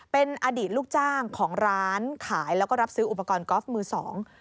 เป็นอดีตลูกจ้างของร้านขายแล้วก็รับซื้ออุปกรณ์กอล์ฟมือสอง